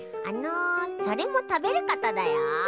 あのそれもたべることだよ。